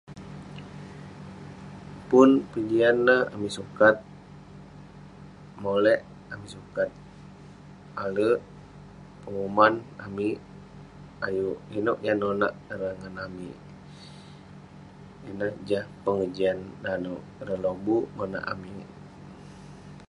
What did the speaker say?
Pun kejian neh, amik sukat molek amik sukat ale'ek penguman amik ayuk inouk yah nonah ireh ngan amik. Ineh jah pengejian nanouk ireh lobuk monak amik.